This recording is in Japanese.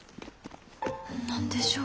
何でしょう？